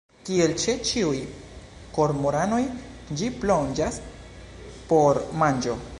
Kiel ĉe ĉiuj kormoranoj ĝi plonĝas por manĝo.